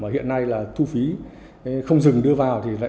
hiện nay thu phí không dừng đưa vào